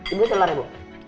ibu telur ibu